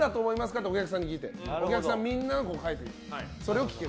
ってお客さんに聞いてお客さんみんなに書いてもらう。